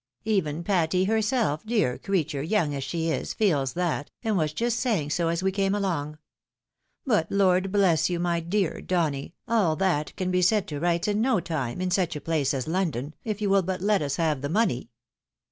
"Even Patty herself, dear creature ! young as she is, feels that, and was just saying so, as we came along. But, Lord bless you, my dear Donny, aU that can be set to rights in no time, in such a place as London, if you will but let us have the money."